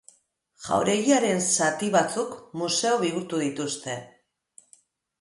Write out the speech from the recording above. Jauregiaren zati batzuk museo bihurtu dituzte.